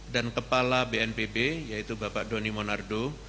dan kepala bnpb yaitu bapak doni monardo